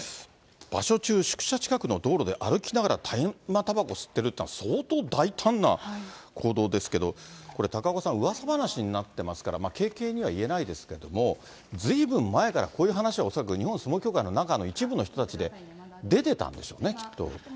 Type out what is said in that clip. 場所中、宿舎近くの道路で歩きながら大麻たばこを吸ってるっていうのは相当大胆な行動ですけど、これ、高岡さん、うわさ話になってますから、軽々には言えないですけれども、ずいぶん前からこういう話は、恐らく日本相撲協会の中の一部の人たちで出てたんでしょうね、きっと。